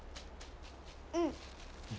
うん。